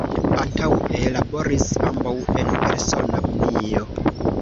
Antaŭe laboris ambaŭ en persona unio.